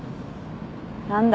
何だ。